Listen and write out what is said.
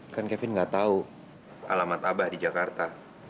kan kevin nggak tahu alamat abah di jakarta